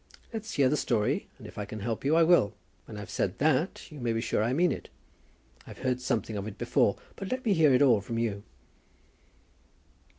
Let's hear the story, and if I can help you I will. When I've said that, you may be sure I mean it. I've heard something of it before; but let me hear it all from you."